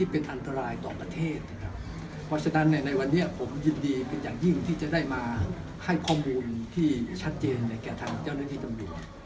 เพราะฉะนั้นในวันนี้ผมยินดีเป็นอย่างยิ่งที่จะได้มาให้ข้อมูลที่ชัดเจนในแก่ฐานเจ้าหน้าที่จำนวน